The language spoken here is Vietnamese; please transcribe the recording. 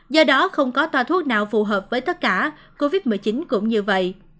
do đó không có toa thuốc nào phù hợp với tất cả covid một mươi chín cũng như vậy